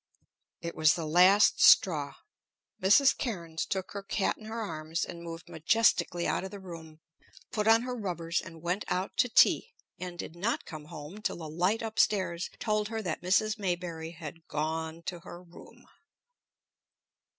It was the last straw. Mrs. Cairnes took her cat in her arms and moved majestically out of the room, put on her rubbers, and went out to tea, and did not come home till the light up stairs told her that Mrs. Maybury had gone to her room.